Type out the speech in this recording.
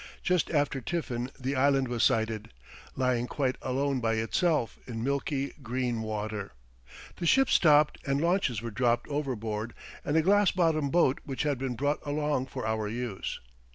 Just after tiffin the island was sighted, lying quite alone by itself in milky green water. The ship stopped and launches were dropped overboard, and a glass bottomed boat which had been brought along for our use.